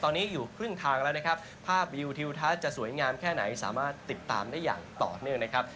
ตอนนี้อยู่ครึ่งทางแล้วนะครับภาพวิวทิวทัศน์จะสวยงามแค่ไหนสามารถติดตามได้อย่างต่อเนื่องนะครับ